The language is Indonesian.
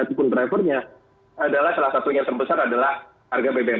ataupun drivernya adalah salah satu yang terbesar adalah harga bbm